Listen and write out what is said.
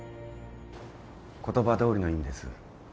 言葉どおりの意味です。